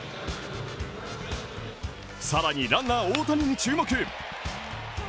さらにランナー大谷に注目。